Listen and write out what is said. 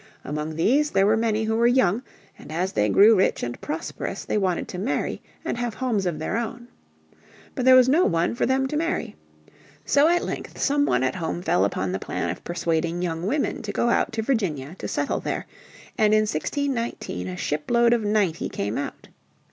Among these there were many who were young, and as they grew rich and prosperous they wanted to marry and have homes of their own. But there was no one for them to marry. So at length some one at home fell upon the plan of persuading young women to go out to Virginia to settle there, and in 1619 a ship load of ninety came out.